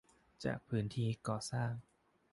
จากพื้นที่ก่อสร้าง